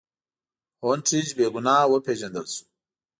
هونټریج بې ګناه وپېژندل شو.